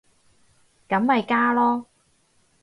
咁咪加囉